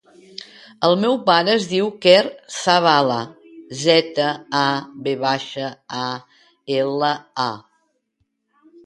El meu pare es diu Quer Zavala: zeta, a, ve baixa, a, ela, a.